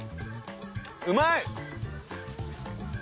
うまい！